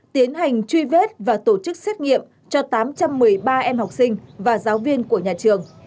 tiến hành truy vết và tổ chức xét nghiệm cho tám trăm một mươi ba em học sinh và giáo viên của nhà trường